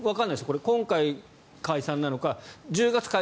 これは今回解散なのか。